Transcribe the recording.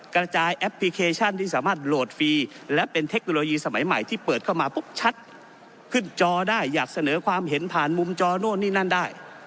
กระจายแอปพลิเคชันที่สามารถโหลดฟรีและเป็นเทคโนโลยีสมัยใหม่ที่เปิดเข้ามาปุ๊บชัดขึ้นจอได้อยากเสนอความเห็นผ่านมุมจอโน่นนี่นั่นได้